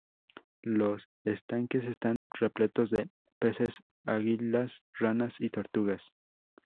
Los estanques están repletos de peces, anguilas, ranas y tortugas.